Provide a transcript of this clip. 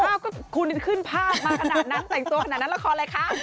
คุณขึ้นภาพมาขนาดนั้นแต่งตัวขนาดนั้นละครอะไรคะ